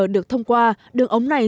được thông qua đường ống này